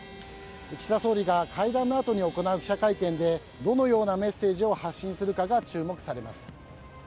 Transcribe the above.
岸田総理が会談の後に行う記者会見でどのようなメッセージを発信するかが注目されます。